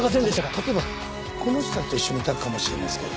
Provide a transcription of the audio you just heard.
例えばこの人たちと一緒にいたかもしれないんですけど。